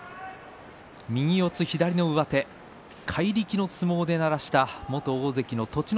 右四つ左の上手怪力の相撲で鳴らした元大関の栃ノ